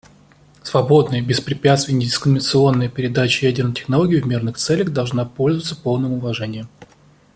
Свободная, беспрепятственная и недискриминационная передача ядерной технологии в мирных целях должна пользоваться полным уважением.